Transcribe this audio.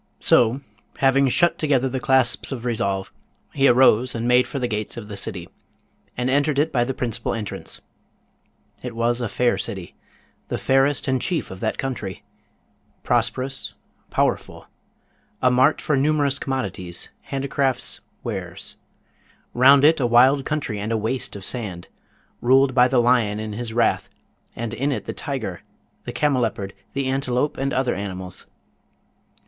So, having shut together the clasps of resolve, he arose and made for the gates of the city, and entered it by the principal entrance. It was a fair city, the fairest and chief of that country; prosperous, powerful; a mart for numerous commodities, handicrafts, wares; round it a wild country and a waste of sand, ruled by the lion in his wrath, and in it the tiger, the camelopard, the antelope, and other animals.